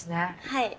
はい。